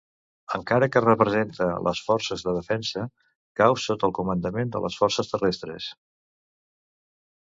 Encara que representa les forces de defensa, cau sota el comandament de les Forces Terrestres.